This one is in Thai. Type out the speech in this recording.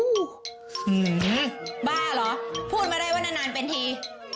บ้าเหรอพูดมาได้ว่านานเป็นที